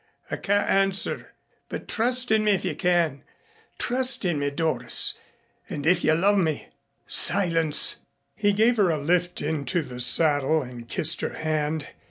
I can't answer. But trust in me if you can. Trust in me, Doris, and if you love me silence!" He gave her a lift into the saddle and kissed her hand.